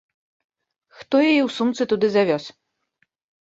Хто яе ў сумцы туды завёз?